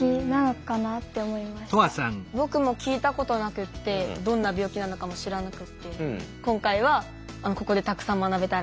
僕も聞いたことなくってどんな病気なのかも知らなくって今回はここでたくさん学べたらなって。